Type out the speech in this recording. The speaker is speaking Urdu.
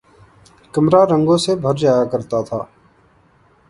کمرا رنگوں سے بھر جایا کرتا تھا